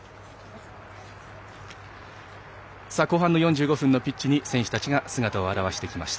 後半４５分のピッチに選手たちが姿を現してきました。